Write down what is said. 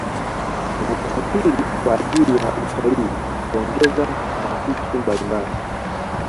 unaposarifiri kwa ajiri ya utalii huongeza marafiki mbalimbali